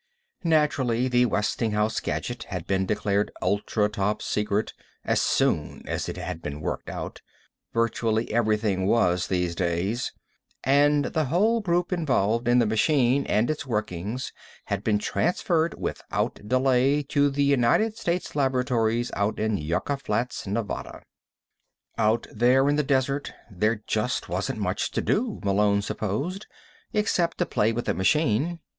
Naturally, the Westinghouse gadget had been declared Ultra Top Secret as soon as it had been worked out. Virtually everything was, these days. And the whole group involved in the machine and its workings had been transferred without delay to the United States Laboratories out in Yucca Flats, Nevada. Out there in the desert, there just wasn't much to do, Malone supposed, except to play with the machine.